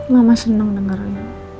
mama senang dengerin